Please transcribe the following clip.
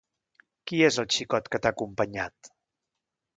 Qui és el xicot que t'ha acompanyat?